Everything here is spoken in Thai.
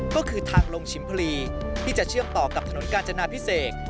ก็คือทางลงชิมพลีที่จะเชื่อมต่อกับถนนกาญจนาพิเศษ